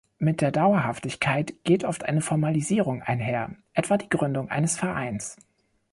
Mit der Dauerhaftigkeit geht oft eine Formalisierung einher, etwa die Gründung eines Vereins.